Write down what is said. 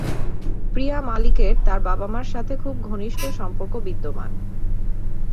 প্রিয়া মালিকের তার বাবা-মার সাথে খুব ঘনিষ্ঠ সম্পর্ক বিদ্যমান।